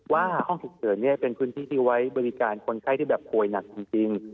ว่าห้องฉุกเฉินเป็นพื้นที่ที่ไว้บริการคนไข้ที่แบบป่วยหนักจริง